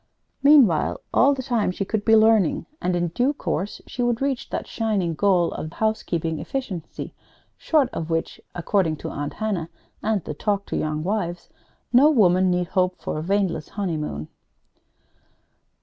Meanwhile, all the time, she could be learning, and in due course she would reach that shining goal of Housekeeping Efficiency, short of which according to Aunt Hannah and the "Talk to Young Wives" no woman need hope for a waneless honeymoon.